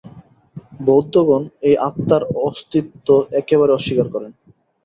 বৌদ্ধগণ এই আত্মার অস্তিত্ব একেবারে অস্বীকার করেন।